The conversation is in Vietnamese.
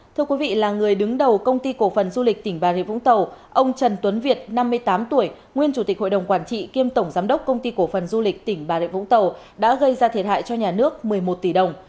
thưa quý vị là người đứng đầu công ty cổ phần du lịch tỉnh bà rịa vũng tàu ông trần tuấn việt năm mươi tám tuổi nguyên chủ tịch hội đồng quản trị kiêm tổng giám đốc công ty cổ phần du lịch tỉnh bà rịa vũng tàu đã gây ra thiệt hại cho nhà nước một mươi một tỷ đồng